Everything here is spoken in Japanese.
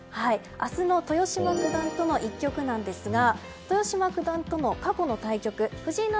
明日の豊島九段との一局ですが豊島九段との過去の対局藤井七